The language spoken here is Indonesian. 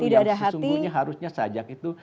yang sesungguhnya harusnya sajak itu